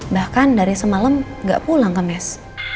bahkan dari semalam gak pulang ke mes